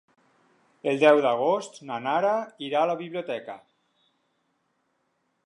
El deu d'agost na Nara irà a la biblioteca.